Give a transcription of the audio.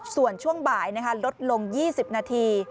ส่วนช่วงบ่ายลดลง๒๐นาที